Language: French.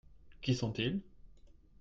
Qui sont-ils ?